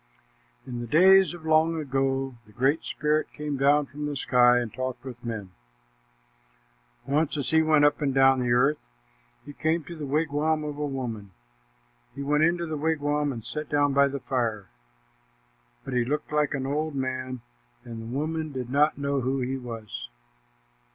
In the days of long ago the Great Spirit came down from the sky and talked with men. Once as he went up and down the earth, he came to the wigwam of a woman. He went into the wigwam and sat down by the fire, but he looked like an old man, and the woman did not know who he was.